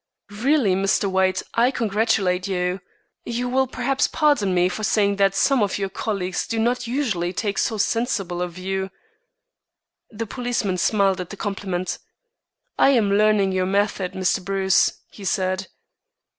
"Really, Mr. White, I congratulate you. You will perhaps pardon me for saying that some of your colleagues do not usually take so sensible a view." The policeman smiled at the compliment. "I am learning your method, Mr. Bruce," he said.